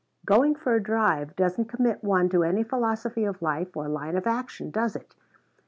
Going for a drive doesn't commit one to any philosophy of life, or line of action, does it?